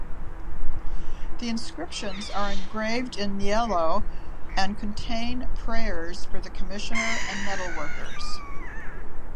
The inscriptions are engraved in niello and contain prayers for the commissioner and metalworkers.